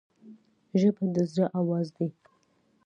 ژبه د زړه آواز دی